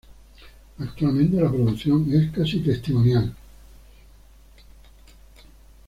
Actualmente la producción es casi testimonial.